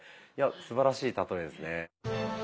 いやすばらしいたとえですね。